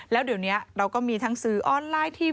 แล้วเดี๋ยวนี้เราก็มีทั้งสื่อออนไลน์ที่